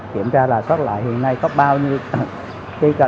kiểm tra rà soát lại hiện nay có bao nhiêu